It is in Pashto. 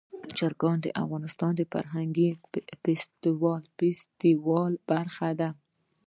چرګان د افغانستان د فرهنګي فستیوالونو برخه ده.